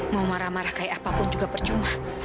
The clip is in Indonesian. mau marah marah kayak apapun juga percuma